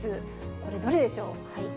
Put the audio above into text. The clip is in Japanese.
これ、どれでしょう。